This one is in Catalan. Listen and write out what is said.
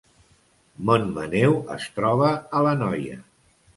Montmaneu es troba a l’Anoia